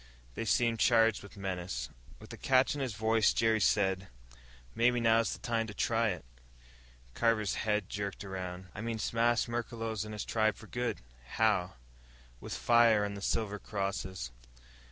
They seemed charged with menace. With a catch in his voice, Jerry said, "Maybe now's the time to try it." Carver's head jerked around. "I mean smash Merklos and his tribe for good." "How?" "With fire, and the silver crosses."